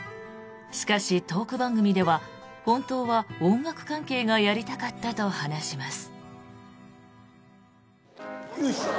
しかし、トーク番組では本当は音楽関係がやりたかったと話します。